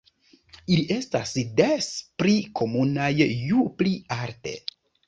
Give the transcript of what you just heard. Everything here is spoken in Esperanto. Ili estas des pli komunaj ju pli alte.